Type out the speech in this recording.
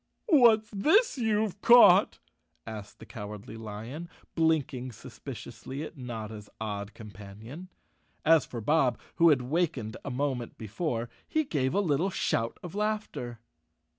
"What's this you've caught?" asked the Cowardly Lion, blinking suspiciously at Notta's odd companion. As for Bob, who had wakened a moment before, he gave a little shout of laughter.